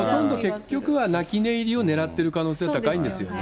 結局は泣き寝入りを狙ってる可能性高いんですよね。